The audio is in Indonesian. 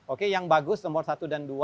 oke yang bagus nomor satu dan dua